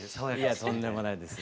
とんでもないです。